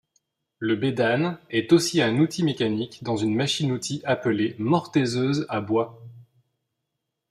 Le bédane est aussi un outil mécanique dans une machine-outil appelée mortaiseuse à bois.